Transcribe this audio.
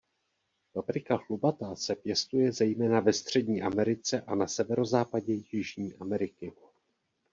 Paprika chlupatá se pěstuje zejména ve Střední Americe a na severozápadě Jižní Ameriky.